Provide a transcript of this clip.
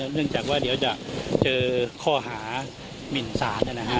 เนื่องจากว่าเดี๋ยวจะเจอข้อหาหมิ่นศาลนะนะฮะ